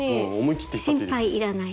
心配いらない。